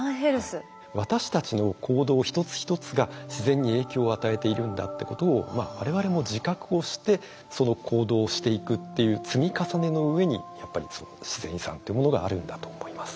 私たちの行動一つ一つが自然に影響を与えているんだってことを我々も自覚をしてその行動をしていくっていう積み重ねの上にやっぱり自然遺産というものがあるんだと思います。